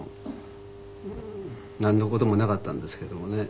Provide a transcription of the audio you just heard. なんの事もなかったんですけどもね。